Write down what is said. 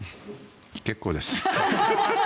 結構です。